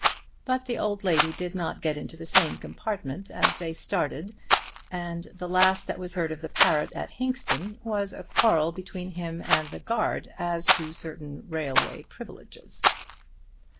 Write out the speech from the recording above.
But the old lady did not get into the same compartment as they started, and the last that was heard of the parrot at Hinxton was a quarrel between him and the guard as to certain railway privileges.